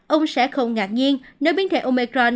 ông sẽ không ngạc nhiên nếu biến thể omicron